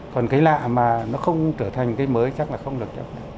còn cái lạ mà nó không trở thành cái mới chắc là không được chấp nhận